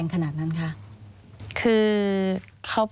มันจอดอย่างง่ายอย่างง่าย